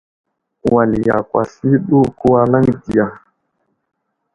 Wal yakw asliyo ɗu kəwalaŋ diya !